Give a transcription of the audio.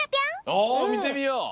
おおみてみよう！